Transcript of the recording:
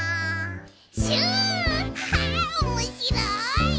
「シュおもしろい」